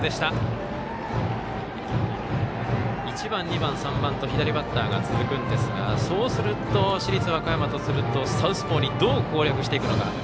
１番、２番、３番と左バッターが続くんですがそうすると、市立和歌山とするとサウスポーにどう攻略していくのか。